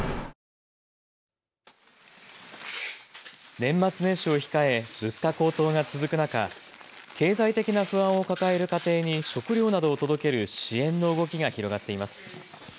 年末年始を控え物価高騰が続く中、経済的な不安を抱える家庭に食料などを届ける支援の動きが広がっています。